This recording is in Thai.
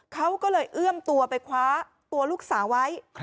เขาก็เลยเอื้อมตัวไปคว้าตัวลูกสาวไว้